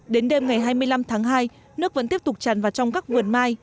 đến đêm ngày hai mươi năm tháng hai nước vẫn tiếp tục tràn vào trong các vườn mai